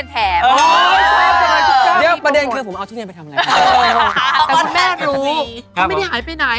เธอไม่หายไปไหน